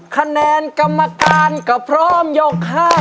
คะแนนกรรมการก็พร้อมยก๕